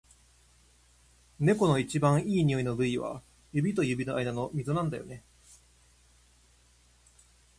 猫の一番いい匂いの部位は、指と指の間のみぞなんだよね。